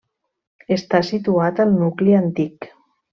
Està situat al nucli antic.